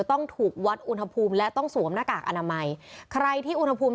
ต้องถูกวัดอุณหภูมิและต้องสวมหน้ากากอนามัยใครที่อุณหภูมิ